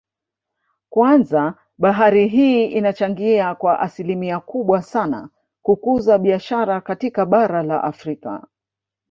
Kwanza bahari hii inachangia kwa asilimia kubwa sana kukuza biashara katika bara la Afrika